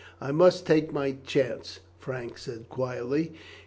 "I must take my chance," Frank said quietly.